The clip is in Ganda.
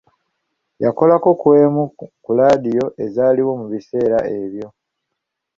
Yakolako ku emu ku laadiyo ezaaliwo mu biseera ebyo.